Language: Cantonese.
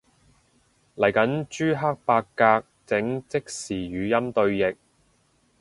嚟緊朱克伯格整即時語音對譯